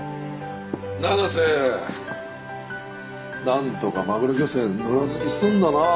なんとかマグロ漁船乗らずに済んだな。